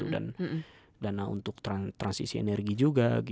dan dana untuk transisi energi juga